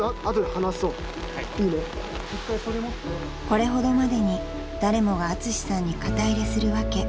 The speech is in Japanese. ［これほどまでに誰もがアツシさんに肩入れする訳］